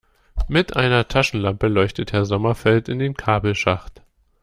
Mit einer Taschenlampe leuchtet Herr Sommerfeld in den Kabelschacht.